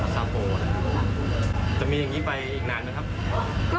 ครับผมจะมีอย่างนี้ไปอีกนานไหมครับ